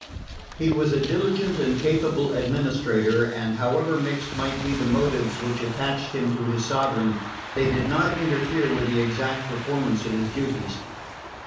He was a diligent and capable administrator, and however mixed might be the motives which attached him to his sovereign, they did not interfere with the exact performance of his duties.